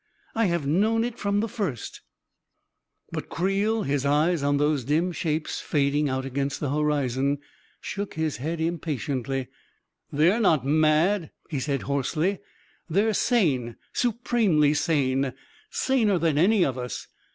I have known it from the first I " 386 A KING IN BABYLON But Creel, his eyes on those dim shapes, fading out against the horizon, shook his head impatiently. " They're not mad !" he said, hoarsely. " They're sane — supremely sane ! Saner than any of us!